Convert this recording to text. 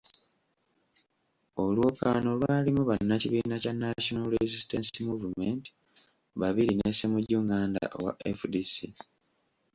Olwokaano lwalimu bannakibiina kya National Resistance Movement babiri ne Ssemujju Nganda owa FDC.